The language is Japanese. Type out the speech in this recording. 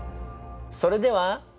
それでは。